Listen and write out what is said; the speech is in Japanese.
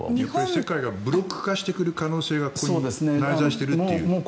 世界がブロック化してくる可能性が内在しているという？